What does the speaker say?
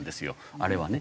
あれはね。